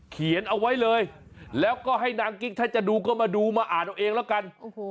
เขียนเอาไว้เลยแล้วก็ให้นางกิ๊กถ้าจะดูก็มาดูมาอ่านเอาเองแล้วกัน